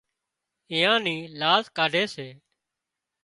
اويئان نِِي لاز ڪاڍي سي